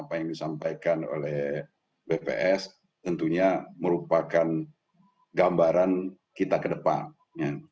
apa yang disampaikan oleh bps tentunya merupakan gambaran kita ke depannya